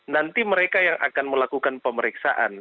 nanti mereka yang akan melakukan pemeriksaan